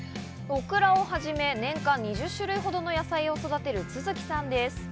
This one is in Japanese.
オクラをはじめ、年間２０種類ほどの野菜を育てる都築さんです。